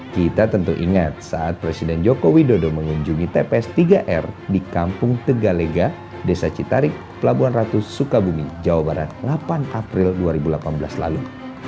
kita tentu ingat saat presiden joko widodo mengunjungi tps tiga r di kampung tegalega desa citarik pelabuhan ratu sukabumi jawa barat delapan april dua ribu delapan belas lalu